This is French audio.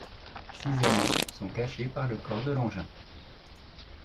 Six aimants sont cachés par le corps de l'engin.